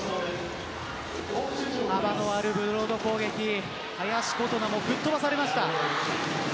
幅のあるブロード攻撃林琴奈もぶっ飛ばされました。